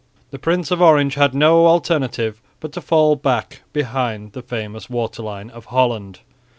The Prince of Orange had no alternative but to fall back behind the famous waterline of Holland.